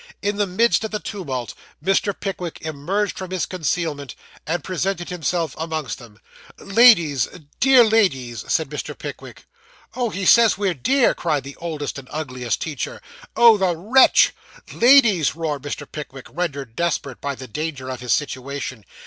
In the midst of the tumult, Mr. Pickwick emerged from his concealment, and presented himself amongst them. 'Ladies dear ladies,' said Mr. Pickwick. 'Oh. he says we're dear,' cried the oldest and ugliest teacher. 'Oh, the wretch!' 'Ladies,' roared Mr. Pickwick, rendered desperate by the danger of his situation.